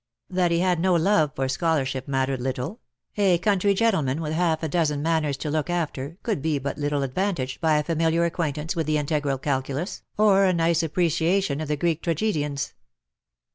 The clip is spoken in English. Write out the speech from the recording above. That he had no love for scholarship mattered little — a country gentleman, with half a dozen manors to look after, could be but little advantaged by a familiar acquaintance with the integral calculus, or a nice appreciation of the Greek tragedians.